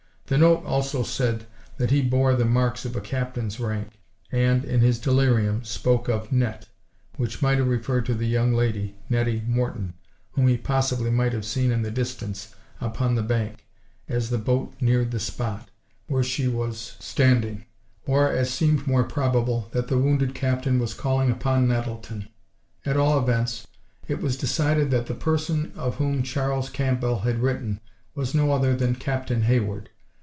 The note also said that he bore the marks of a captain's rank, and, in his delirium, spoke of "Net—" which might have referred to the young lady, Nettie Morton, whom he possibly might have seen in the distance, upon the bank, as the boat neared the spot where she was standing, or, as seemed more probable, that the wounded captain was calling upon Nettleton. At all events, it was decided that the person of whom Charles Campbell had written, was no other than Captain Hayward.